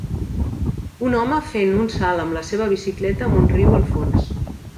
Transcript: Un home fent un salt amb la seva bicicleta amb un riu al fons.